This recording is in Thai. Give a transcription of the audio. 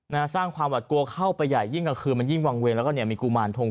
นะฮะสร้างความหวัดกลัวเข้าไปใหญ่ยิ่งกลางคืนมันยิ่งวางเวงแล้วก็เนี่ยมีกุมารทง